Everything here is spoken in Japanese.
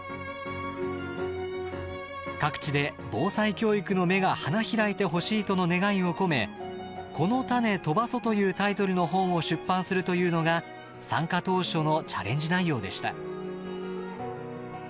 各地で防災教育の芽が花開いてほしいとの願いを込め「このたねとばそ」というタイトルの本を出版するというのが参加当初のチャレンジ内容でした。